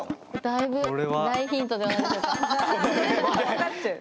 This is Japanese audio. だいぶ大ヒントではないでしょうか。